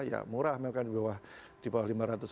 ya murah memang kan di bawah lima ratus ribu